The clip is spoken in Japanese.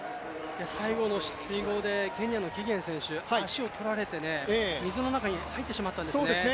最後の水濠でケニアのキゲン選手足を取られて、水の中に入ってしまったんですね。